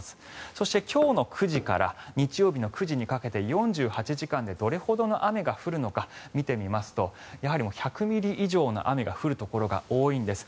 そして今日の９時から日曜日の９時にかけて４８時間でどれほどの雨が降るのか見てみますとやはり１００ミリ以上の雨が降るところが多いんです。